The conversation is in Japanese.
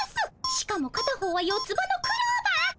しかも片方は四つ葉のクローバー。